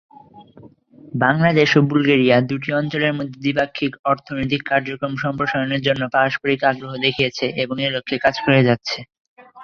বাংলাদেশ ও বুলগেরিয়া দুটি অঞ্চলের মধ্যে দ্বিপাক্ষিক অর্থনৈতিক কার্যক্রম সম্প্রসারণের জন্য পারস্পরিক আগ্রহ দেখিয়েছে এবং এ লক্ষ্যে কাজ করে যাচ্ছে।